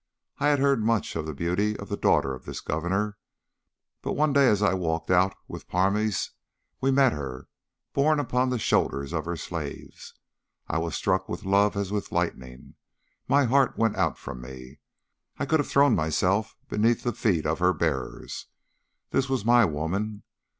I had heard much of the beauty of the daughter of this Governor, but one day as I walked out with Parmes we met her, borne upon the shoulders of her slaves. I was struck with love as with lightning. My heart went out from me. I could have thrown myself beneath the feet of her bearers. This was my woman.